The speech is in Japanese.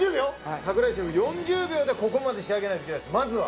櫻井さん、４０秒でここまで仕上げないといけないんです、まずは。